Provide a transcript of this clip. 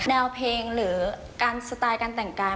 แนวเพลงหรือการสไตล์การแต่งกาย